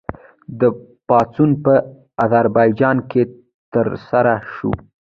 دا پاڅون په اذربایجان کې ترسره شو.